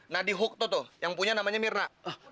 nah dihuk tuh tuh yang punya namanya mirna